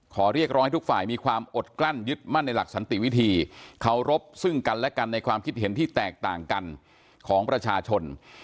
ขอเรียกร้องให้ทุกฝ่ายมีความอดกลั้นยึดมั่นในหลักสันติวิธีเคารพซึ่งกันและกันในความคิดเห็นที่แตกต่างกันของประชาชน